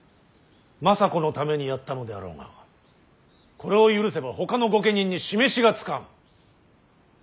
政子のためにやったのであろうがこれを許せばほかの御家人に示しがつかん。